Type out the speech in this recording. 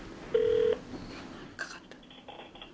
かかった。